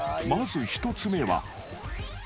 ［まず１つ目は］